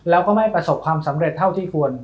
แล้วก็ไม่ประสบความสำเร็จเท่าที่ควร